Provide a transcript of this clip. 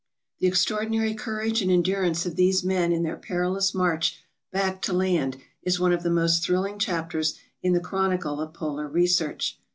The extraordinary courage and endurance of these men in their perilous march back to land is one of the most thrilling chapters in the chronicle of polar research.